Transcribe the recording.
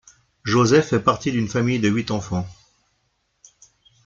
Joseph fait partie d'une famille de huit enfants.